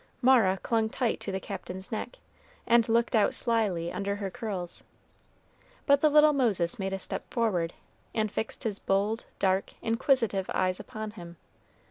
Mara clung tight to the Captain's neck, and looked out slyly under her curls. But the little Moses made a step forward, and fixed his bold, dark, inquisitive eyes upon him.